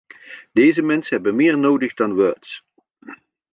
Deze mensen hebben meer nodig dan" words.